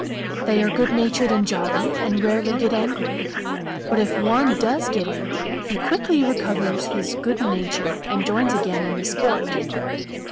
They are good natured and jolly, and rarely get angry. But if one does get angry, he quickly recovers his good nature and joins again in the sport.